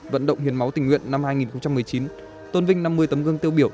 vận động hiến máu tình nguyện năm hai nghìn một mươi chín tôn vinh năm mươi tấm gương tiêu biểu